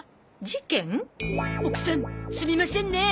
奥さんすみませんねえ。